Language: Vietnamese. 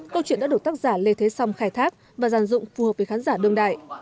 câu chuyện đã được tác giả lê thế song khai thác và giàn dụng phù hợp với khán giả đương đại